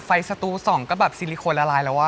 ไฟสตูที่๒ก็แบบซีริคอลลายลายแล้วอ่ะ